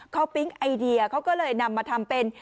เขาปิ๊งไอเดียเขาก็เลยนำมาทำเป็น